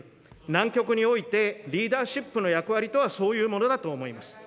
難局において、リーダーシップの役割とはそういうものだと思います。